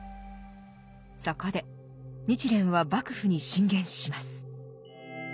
そこで日蓮は幕府に進言します。